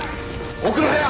奥の部屋！